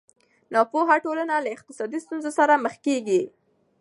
ناپوهه ټولنه له اقتصادي ستونزو سره مخ کېږي.